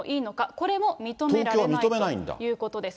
これも認められないということです。